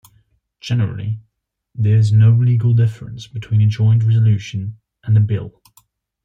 Generally, there is no legal difference between a joint resolution and a bill.